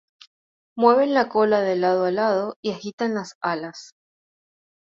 Mueven la cola de lado a lado y agitan las alas.